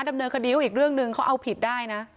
ดำเนินคดีเขาอีกเรื่องหนึ่งเขาเอาผิดได้นะ